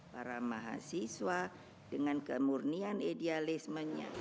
para mahasiswa dengan kemurnian idealismenya